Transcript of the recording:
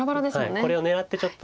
これを狙ってちょっと。